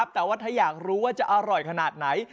แต่ว่าถ้าอยากรู้ว่าจะอร่อยขนาดไหน